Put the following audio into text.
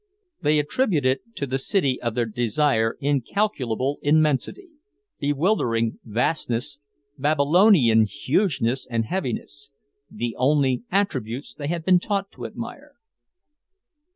They attributed to the city of their desire incalculable immensity, bewildering vastness, Babylonian hugeness and heaviness the only attributes they had been taught to admire.